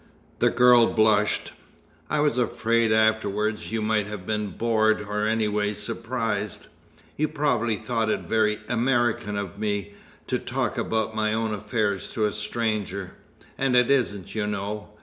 The girl blushed. "I was afraid afterwards, you might have been bored, or anyway surprised. You probably thought it 'very American' of me to talk about my own affairs to a stranger, and it isn't, you know.